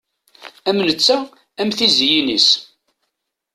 Am netta am tiziyin-is.